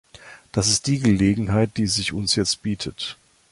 Das ist die Gelegenheit, die sich uns jetzt bietet.